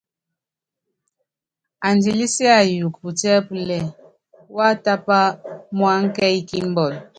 Andilɛ siayukɔ putíɛ́púlɛ, wá tápa muáŋá kɛ́yí kímbɔl.